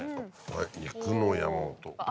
「肉の山本」。